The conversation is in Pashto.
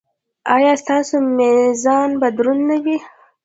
ایا ستاسو میزان به دروند نه وي؟